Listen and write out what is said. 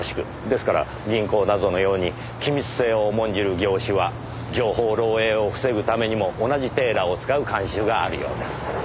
ですから銀行などのように機密性を重んじる業種は情報漏洩を防ぐためにも同じテーラーを使う慣習があるようです。